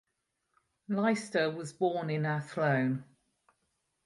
Lyster was born in Athlone.